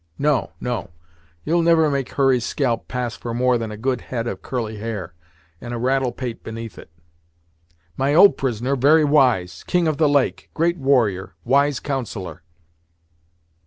No, no, you'll niver make Hurry's scalp pass for more than a good head of curly hair, and a rattle pate beneath it!" "My old prisoner very wise king of the lake great warrior, wise counsellor!"